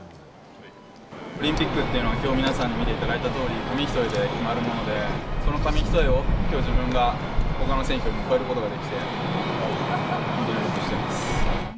オリンピックっていうのは、きょう、皆さんに見ていただいたとおり、紙一重で決まるもので、その紙一重を、きょう、自分がほかの選手よりも超えることができて、本当にほっとしています。